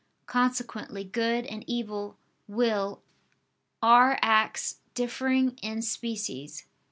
Consequently good and evil will are acts differing in species.